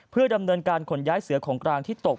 เพื่อดำเนินการขนย้ายเสือของกลางที่ตก